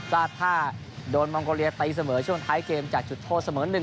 ก็ถ้าโดนมองโกเลียตีเสมอช่วงท้ายเกมจากจุดโทษเสมอ๑